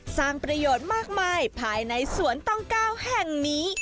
สร้างประโยชน์มากมายภายในสวนต้องก้าวแห่งนี้